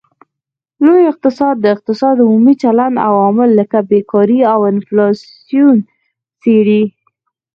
لوی اقتصاد د اقتصاد عمومي چلند او عوامل لکه بیکاري او انفلاسیون څیړي